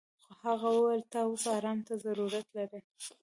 خو هغه وويل ته اوس ارام ته ضرورت لري.